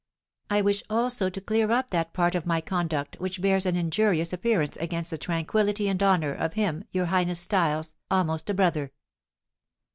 I wish also to clear up that part of my conduct which bears an injurious appearance against the tranquillity and honour of him your highness styles 'almost a brother.'"